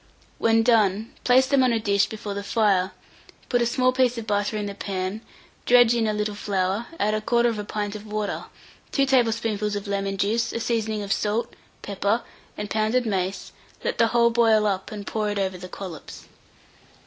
When done, place them on a dish before the fire; put a small piece of butter in the pan, dredge in a little flour, add 1/4 pint of water, 2 tablespoonfuls of lemon juice, a seasoning of salt, pepper, and pounded mace; let the whole boil up, and pour it over the collops.